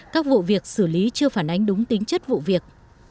các vụ việc xử lý chưa phản ánh đúng tính chất vụ việc